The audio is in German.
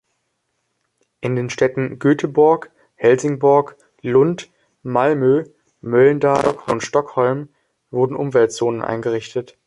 In den Städten Göteborg, Helsingborg, Lund, Malmö, Mölndal und Stockholm wurden Umweltzonen eingerichtet.